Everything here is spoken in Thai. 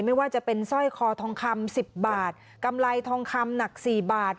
ไม่ว่าจะเป็นสร้อยคอทองคำ๑๐บาทกำไรทองคำหนัก๔บาท